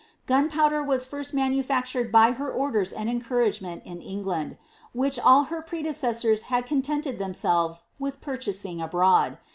Gunpowder was first manufactured by her orders and encouragement in England ; which all iier preilecessors had contented themselves with purchasing abroad.